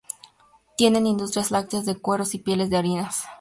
Tiene industrias lácteas, de cueros y pieles, de harinas.